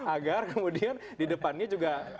agar kemudian di depannya juga